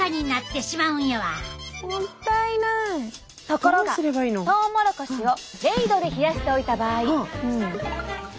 ところがトウモロコシを０度で冷やしておいた場合。